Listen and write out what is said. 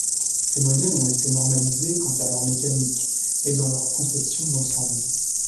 Ces modèles ont été normalisées quant à leur mécanique et dans leur conception d'ensemble.